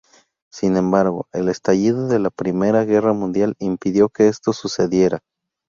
Sin embargo, el estallido de la Primera Guerra Mundial impidió que esto sucediera.